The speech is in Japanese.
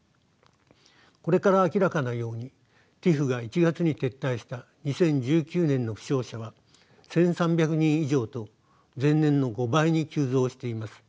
これから明らかなようにＴＩＰＨが１月に撤退した２０１９年の負傷者は１，３００人以上と前年の５倍に急増しています。